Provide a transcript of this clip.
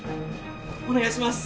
お願いします！